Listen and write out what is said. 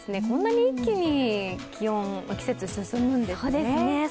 こんなに一気に季節が進むんですね。